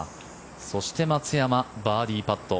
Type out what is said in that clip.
そして、松山バーディーパット。